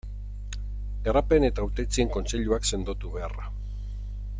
Garapen eta Hautetsien kontseiluak sendotu beharra.